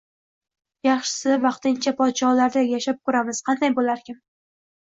Yaxshisi, vaqtincha podsholarday yashab ko`ramiz, qanday bo`larkin